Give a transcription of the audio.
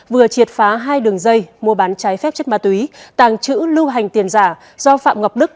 vừa triệt phá hai đường dây mua bán trái phép chất ma túy tàng trữ lưu hành tiền giả do phạm ngọc đức